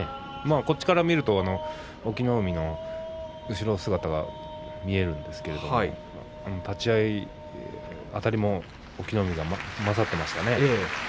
こちらから見ると隠岐の海の後ろ姿が見えるんですけれど立ち合い、あたりも隠岐の海のほうが勝っていましたね。